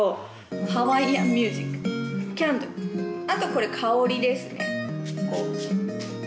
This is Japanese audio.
あと、これ香りですね。